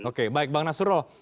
oke baik bang nasrullah